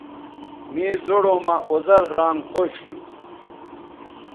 مے زوڑوں مہ اوزل رانگ خوش تھو